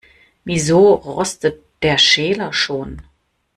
Wieso rostet der Schäler schon?